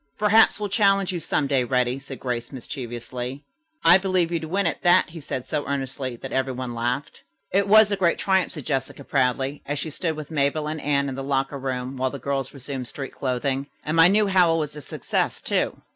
"Perhaps we'll challenge you some day, Reddy," said Grace mischievously. "I believe you'd win at that," he said so earnestly that every one laughed. "It was a great triumph," said Jessica proudly, as she stood with Mabel and Anne in the locker room while the girls resumed street clothing. "And my new howl was a success, too."